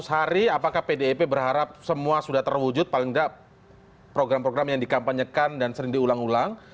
tujuh belas hari apakah pdip berharap semua sudah terwujud paling tidak program program yang dikampanyekan dan sering diulang ulang